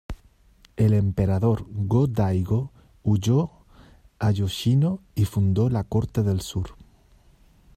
El Emperador Go-Daigo huyó a Yoshino y fundó la Corte del Sur.